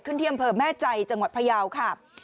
ขึ้นเทียมเพิ่มแม่ใจจังหวัดพระยาวค่ะ